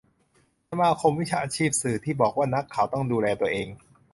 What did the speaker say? สมาคมวิชาชีพสื่อ ที่บอกว่า นักข่าวต้องดูแลตัวเอง